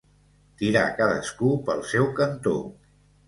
Tirar cadascú pel seu cantó.